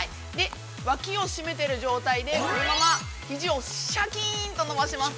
脇を締めている状態で、このままひじをシャキーンと、伸ばします。